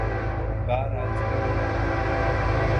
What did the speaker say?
بہرحال جو ہونا تھا۔